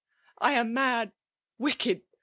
I am mad— vicked !